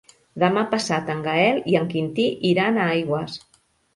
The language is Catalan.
Demà passat en Gaël i en Quintí iran a Aigües.